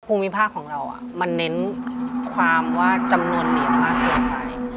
ภูมิภาคของเรามันเน้นความว่าจำนวนเหรียญมากเกินไป